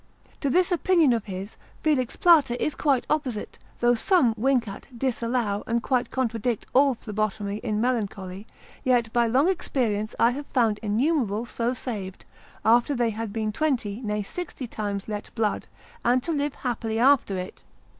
To this opinion of his, Felix Plater is quite opposite, though some wink at, disallow and quite contradict all phlebotomy in melancholy, yet by long experience I have found innumerable so saved, after they had been twenty, nay, sixty times let blood, and to live happily after it.